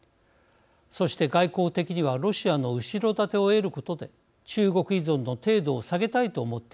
そして外交的にはロシアの後ろ盾を得ることで中国依存の程度を下げたいと思っているかもしれません。